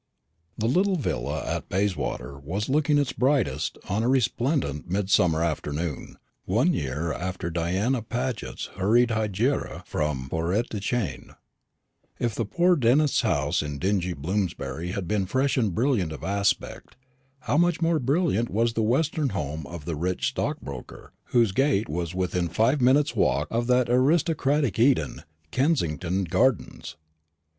The little villa at Bayswater was looking its brightest on a resplendent midsummer afternoon, one year after Diana Paget's hurried hegira from Forêtdechêne. If the poor dentist's house in dingy Bloomsbury had been fresh and brilliant of aspect, how much more brilliant was the western home of the rich stockbroker, whose gate was within five minutes' walk of that aristocratic Eden, Kensington Gardens!